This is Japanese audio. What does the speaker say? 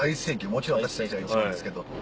もちろん私たちが１番ですけど」。